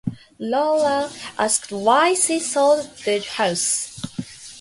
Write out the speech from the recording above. Lola asked why she sold the house.